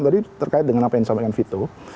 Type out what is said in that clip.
tadi terkait dengan apa yang disampaikan vito